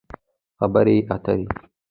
خبرې اترې